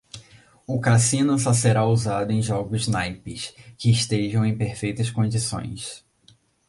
O cassino só será usado em jogos naipes que estejam em perfeitas condições.